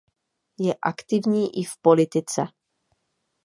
Je aktivní i v politice.